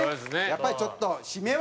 やっぱりちょっと締めは。